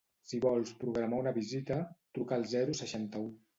Si vols programar una visita, truca al zero seixanta-u.